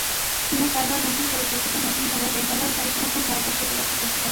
চীনা সাইবার হুমকির পরিপ্রেক্ষিতে নতুন করে রেড অ্যালার্ট জারি করেছে ভারতের প্রতিরক্ষা কর্তৃপক্ষ।